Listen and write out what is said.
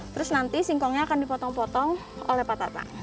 terus nanti singkongnya akan dipotong potong oleh pak tata